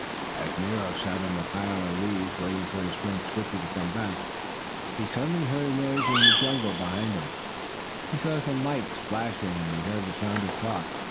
As Nero sat on the pile of leaves, waiting for his friend Switchie to come back, he suddenly heard a noise in the jungle behind him. He saw some lights flashing and he heard the sound of talk.